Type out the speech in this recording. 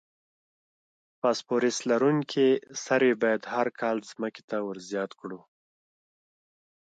فاسفورس لرونکي سرې باید هر کال ځمکې ته ور زیات کړو.